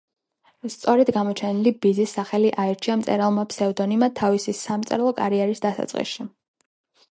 სწორედ გამოჩენილი ბიძის სახელი აირჩია მწერალმა ფსევდონიმად თავისი სამწერლო კარიერის დასაწყისში.